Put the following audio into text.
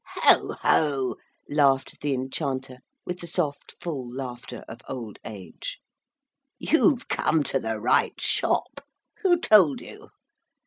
'Ho, ho,' laughed the Enchanter with the soft full laughter of old age. 'You've come to the right shop. Who told you?'